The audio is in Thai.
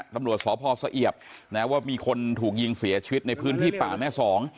ตำรวจสพสะเอียบว่ามีคนถูกยิงเสียชีวิตในพื้นที่ป่าแม่สอง